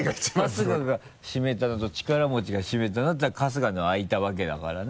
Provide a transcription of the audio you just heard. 春日が閉めたのと力持ちが閉めたのだったら春日のは開いたわけだからね。